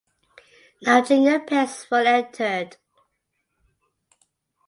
No junior pairs were entered.